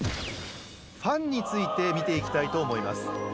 ファンについて見ていきたいと思います。